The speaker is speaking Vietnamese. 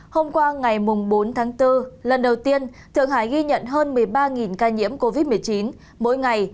hôm qua ngày bốn tháng bốn lần đầu tiên thượng hải ghi nhận hơn một mươi ba ca nhiễm covid một mươi chín mỗi ngày